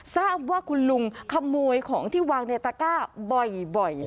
ทราบว่าคุณลุงขโมยของที่วางในตะก้าบ่อย